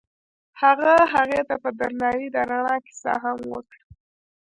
هغه هغې ته په درناوي د رڼا کیسه هم وکړه.